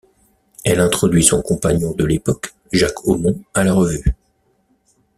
Elle introduit son compagnon de l'époque Jacques Aumont à la revue.